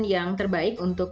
yang terbaik untuk